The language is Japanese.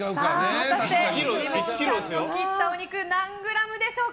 果たしてジモンさんが切ったお肉何グラムでしょうか。